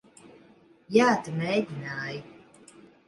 Jā, tu mēģināji.